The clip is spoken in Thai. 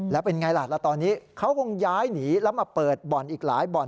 แล้วเป็นไงล่ะตอนนี้เขาคงย้ายหนีแล้วมาเปิดบ่อนอีกหลายบ่อน